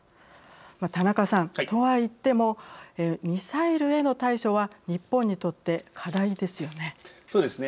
田中さんとは言ってもミサイルへの対処は日本にとって課題ですよね。